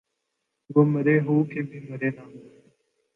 وہ مرے ہو کے بھی مرے نہ ہوئے